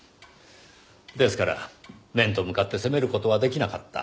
ですから面と向かって責める事は出来なかった。